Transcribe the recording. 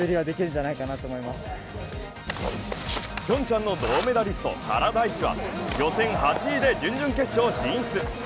ピョンチャンの銅メダリスト、原大智は予選８位で準々決勝進出。